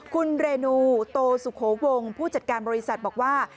คุณเรนูโตสุโขวงผู้จัดการบริษัทบอกว่า